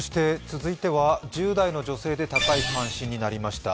続いては１０代の女性で高い関心になりました。